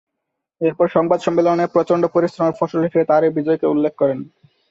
এরপর সংবাদ সম্মেলনে প্রচণ্ড পরিশ্রমের ফসল হিসেবে তার এ বিজয়কে উল্লেখ করেন।